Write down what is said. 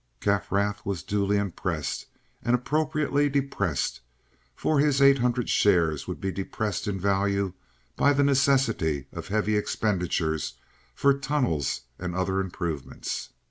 Kaffrath was duly impressed and appropriately depressed, for his eight hundred shares would be depressed in value by the necessity of heavy expenditures for tunnels and other improvements.